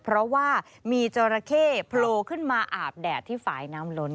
เพราะว่ามีจราเข้โผล่ขึ้นมาอาบแดดที่ฝ่ายน้ำล้น